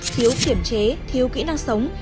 thiếu kiểm chế thiếu kỹ năng sống